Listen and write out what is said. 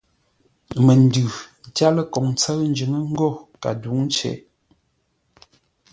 Məndʉ tyár ləkoŋ ńtsə́ʉ njʉ́ŋə́ ńgó kədǔŋcei.